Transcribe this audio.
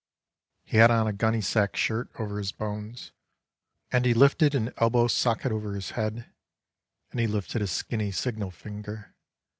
He had on a gunnysack shirt over his bones, And he lifted an elbow socket over his head, And he lifted a skinny signal finger.